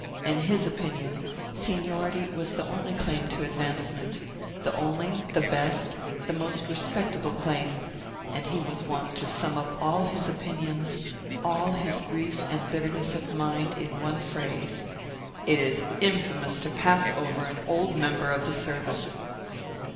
In his opinion, seniority was the only claim to advancement the only, the best, the most respectable claim; and he was wont to sum up all his opinions, all his grief and bitterness of mind in one phrase: "It is infamous to pass over an old member of the service."